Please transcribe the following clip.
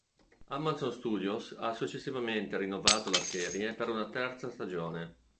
Amazon Studios ha successivamente rinnovato la serie per una terza stagione.